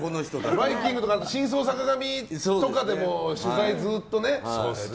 「バイキング」とか「シンソウ坂上」とかでも取材をずっとね。